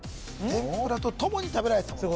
天ぷらとともに食べられていたもの